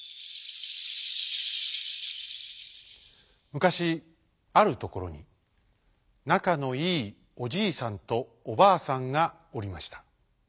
むかしあるところになかのいいおじいさんとおばあさんがおりました。